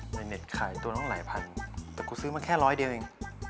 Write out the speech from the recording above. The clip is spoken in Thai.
ในเน็ตขายตัวน้องหลายพันแต่กูซื้อมาแค่ร้อยเดียวเอง